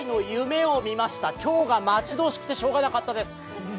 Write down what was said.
今日が待ち遠しくてしようがなかったです。